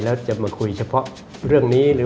แล้วจะมาคุยเฉพาะเรื่องนี้หรือ